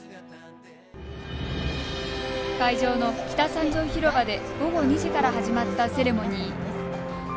会場の北３条広場で午後２時から始まったセレモニー。